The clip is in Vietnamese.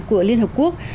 của liên hợp quốc